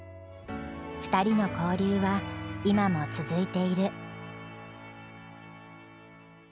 ２人の交流は今も続いている。